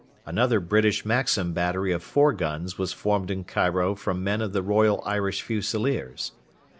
Another British Maxim battery of four guns was formed in Cairo from men of the Royal Irish Fusiliers.